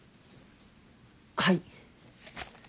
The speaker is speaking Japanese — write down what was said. はい。